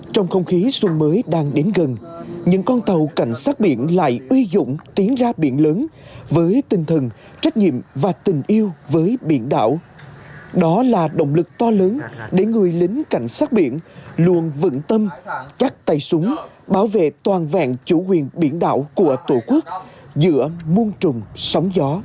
trong không khí xuân mới đang đến gần những con tàu cảnh sát biển lại uy dụng tiến ra biển lớn với tinh thần trách nhiệm và tình yêu với biển đảo